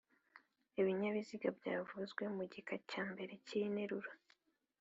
ibinyabiziga byavuzwe mu gika cya mbere cy'iyi nteruro.